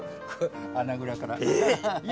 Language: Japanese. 穴蔵から。